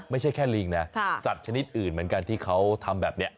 ไม่ใช่แค่ลิงนะสัตว์ชนิดอื่นเหมือนกันที่เขาทำแบบนี้